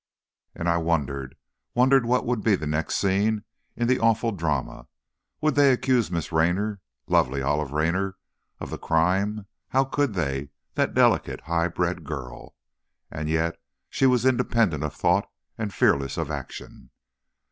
And I wondered. Wondered what would be the next scene in the awful drama. Would they accuse Miss Raynor, lovely Olive Raynor, of the crime? How could they? That delicate, high bred girl! And yet, she was independent of thought and fearless of action.